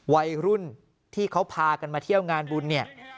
วัยรุ่นที่เขาพากันมาเที่ยวงานบุญเนี่ย